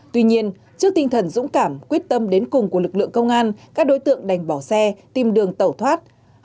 tuy nhiên trước tinh thần dũng cảm quyết tâm đến cùng của lực lượng công an các đối tượng đành bỏ xe tìm đường tẩu thoát